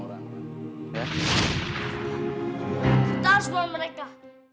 kita harus buang mereka